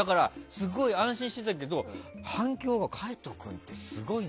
すごい安心してたけど海人君ってすごいね。